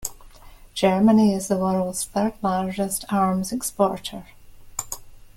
Germany is the world's third-largest arms exporter.